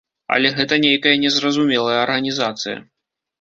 Але гэта нейкая незразумелая арганізацыя.